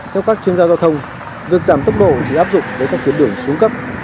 theo các chuyên gia giao thông việc giảm tốc độ chỉ áp dụng với các tuyến đường xuống cấp